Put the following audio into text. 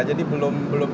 jadi belum belum